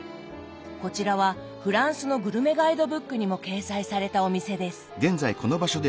こちらはフランスのグルメガイドブックにも掲載されたお店です。